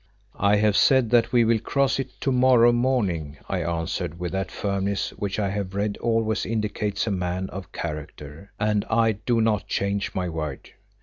"I have said that we will cross it to morrow morning," I answered with that firmness which I have read always indicates a man of character, "and I do not change my word."